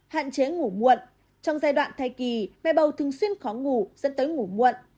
hạn chế ngủ muộn trong giai đoạn thai kỳ mẹ bầu thường xuyên khó ngủ dẫn tới ngủ muộn